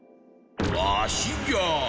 わしじゃ！